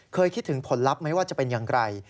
คิดถึงผลลัพธ์ไหมว่าจะเป็นอย่างไร